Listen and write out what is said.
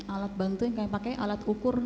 alat bantu yang kayak pakai alat ukur